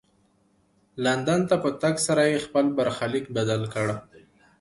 لندن ته په تګ سره یې خپل برخلیک بدل کړ.